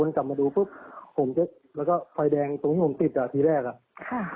ก็วนกลับมาดูปุ๊บแล้วก็ไฟแดงตรงที่ผมติดอ่ะทีแรกอ่ะ